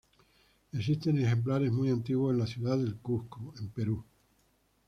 Existen ejemplares muy antiguos en la ciudad del Cuzco, en Perú.